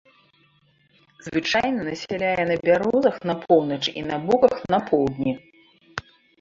Звычайна насяляе на бярозах на поўначы і на буках на поўдні.